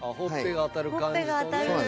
ほっぺが当たる感じとね。